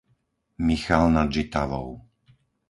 Michal nad Žitavou